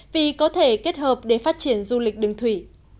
vì có thể kết hợp để phát triển du lịch đường thủy